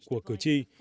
của chính phủ nước này